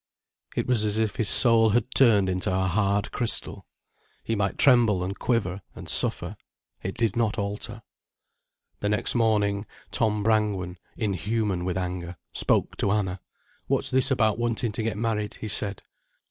It was as if his soul had turned into a hard crystal. He might tremble and quiver and suffer, it did not alter. The next morning Tom Brangwen, inhuman with anger spoke to Anna. "What's this about wanting to get married?" he said.